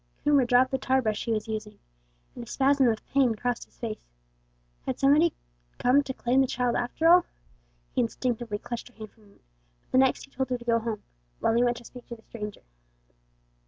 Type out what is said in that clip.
Coomber dropped the tar brush he was using, and a spasm of pain crossed his face. Had somebody come to claim the child after all? He instinctively clutched her hand for a minute, but the next he told her to go home, while he went to speak to the stranger.